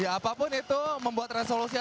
iya apapun itu membuat resolusi atau tidak